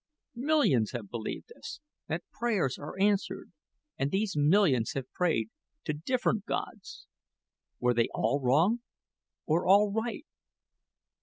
"Millions have believed this that prayers are answered and these millions have prayed to different gods. Were they all wrong or all right?